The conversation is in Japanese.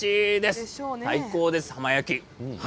最高です、浜焼き。